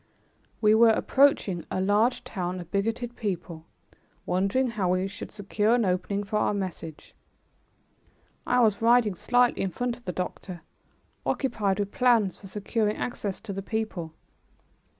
We were approaching a large town of bigoted people, wondering how we should secure an opening for our message. I was riding slightly in front of the doctor, occupied with plans for securing access to the people.